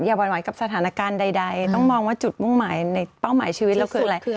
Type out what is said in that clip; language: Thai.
หวั่นไหวกับสถานการณ์ใดต้องมองว่าจุดมุ่งหมายในเป้าหมายชีวิตเราคืออะไร